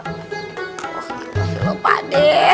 tolong di toko pak d daaah